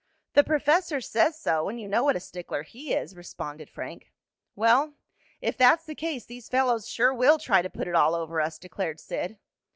"The professor says so, and you know what a stickler he is," responded Frank. "Well, if that's the case, these fellows sure will try to put it all over us," declared Sid.